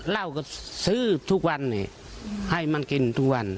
เหล้าก็ซื้อทุกวันนี้ให้มันกินทุกวัน